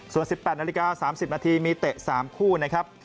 ส่วน๑๘นาฬิกา๓๐นาทีมีเตะ๓คู่นะครับ